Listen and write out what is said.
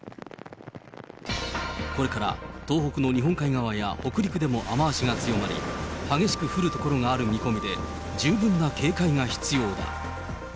これから東北の日本海側や北陸でも雨足が強まり、激しく降る所がある見込みで、十分な警戒が必要だ。